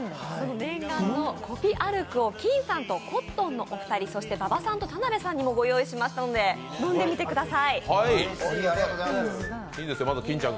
念願のコピ・ルアクをきんさんときょんさんのお二人、そして馬場さんと田辺さんにもご用意しましたので、飲んでみてください。